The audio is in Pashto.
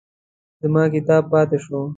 زما کتاب پاتې شو.